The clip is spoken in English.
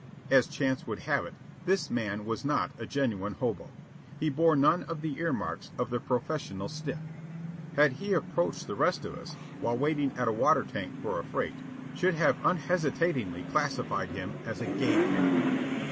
As chance would have it, this man was not a genuine hobo. He bore none of the ear marks of the professional "stiff." Had he approached the rest of us, while waiting at a water tank for a freight, we should have unhesitatingly classified him as a "gay cat."